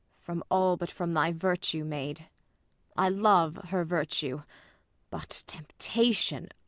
Ang. From all, but from thy virtue, maid ! I love her virtue. But, temptation